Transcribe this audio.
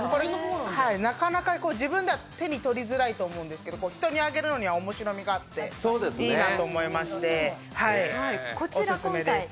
なかなか自分では手に取りづらいと思うんですけど、人にあげるのには面白みがあっていいなと思いまして、オススメです。